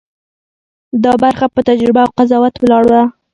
دا برخه په تجربه او قضاوت ولاړه ده.